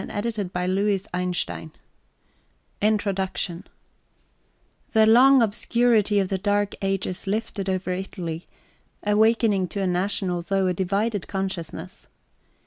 Table of References 194 {ix} INTRODUCTION The long obscurity of the Dark Ages lifted over Italy, awakening to a national though a divided consciousness.